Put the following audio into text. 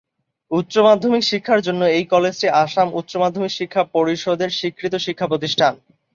উচ্চমাধ্যমিক শিক্ষার জন্য এই কলেজটি আসাম উচ্চমাধ্যমিক শিক্ষা পর্ষদের স্বীকৃত শিক্ষা প্রতিষ্ঠান।